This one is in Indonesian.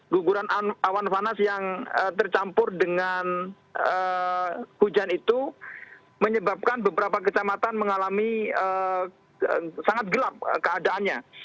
guguran awan panas yang tercampur dengan hujan itu menyebabkan beberapa kecamatan mengalami sangat gelap keadaannya